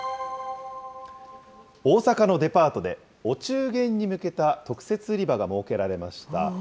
大阪のデパートで、お中元に向けた特設売り場が設けられました。